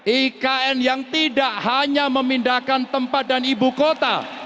ikn yang tidak hanya memindahkan tempat dan ibu kota